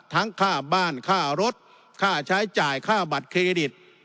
ค่าบ้านค่ารถค่าใช้จ่ายค่าบัตรเครดิต